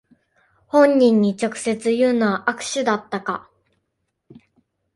本人に直接言うのは悪手だったか